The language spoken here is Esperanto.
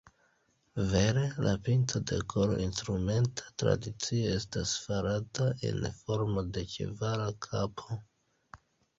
Vere, la pinto de kolo instrumenta tradicie estas farata en formo de ĉevala kapo.